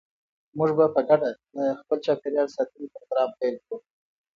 موږ به په ګډه د خپل چاپیریال ساتنې پروګرام پیل کړو.